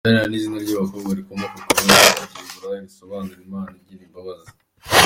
Shania ni izina ry’abakobwa rikomoka ku rurimi rw’Igiheburayi risobanura “Imana igira imbabazi”.